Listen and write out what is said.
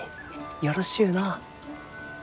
よろしゅうのう。